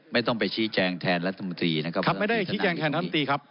ไม่ต้องไปชี้แจงแทนรัฐมนตรีนะครับครับไม่ได้ชี้แจงแทนรัฐมนตรีครับ